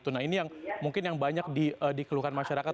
nah ini yang mungkin yang banyak dikeluhkan masyarakat